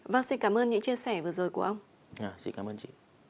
vâng xin cảm ơn những chia sẻ vừa rồi của ông chị